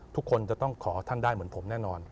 ทุกคนจะต้องขอท่านได้เหมือนผมแน่นอน